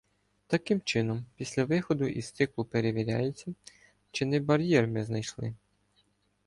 Таким чином, після виходу із циклу перевіряється, чи не бар'єр ми знайшли?